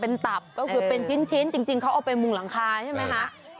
เป็นตับก็คือเป็นชิ้นจริงเขาเอาไปมุงหลังคาใช่ไหมคะ